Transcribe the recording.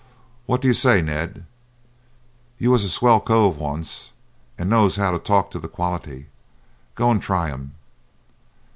What do you say, Ned? You was a swell cove once, and knows how to talk to the quality. Go and try 'em."